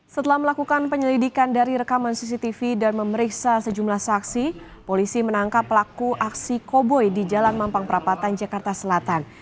setelah melakukan penyelidikan dari rekaman cctv dan memeriksa sejumlah saksi polisi menangkap pelaku aksi koboi di jalan mampang perapatan jakarta selatan